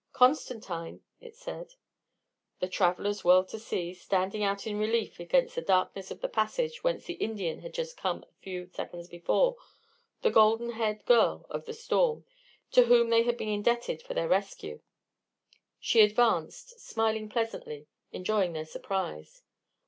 "Constantine," it said. The travellers whirled to see, standing out in relief against the darkness of the passage whence the Indian had just come a few seconds before, the golden haired girl of the storm, to whom they had been indebted for their rescue. She advanced, smiling pleasantly, enjoying their surprise.